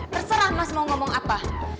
terserah mas mau ngomong apa